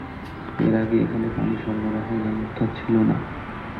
এর আগে এখানে পানি সরবরাহের ব্যবস্থা ছিলনা।